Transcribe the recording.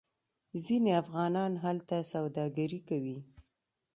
ځینې افغانان هلته سوداګري کوي.